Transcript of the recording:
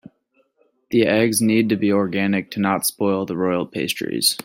The eggs need to be organic to not spoil the royal pastries.